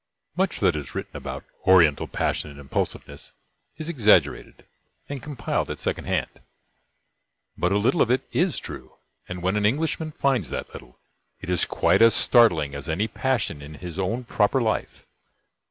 Much that is written about "Oriental passion and impulsiveness" is exaggerated and compiled at second hand, but a little of it is true; and when an Englishman finds that little, it is quite as startling as any passion in his own proper life.